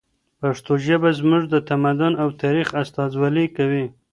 پښتو ژبه زموږ د تمدن او تاریخ استازولي کوي.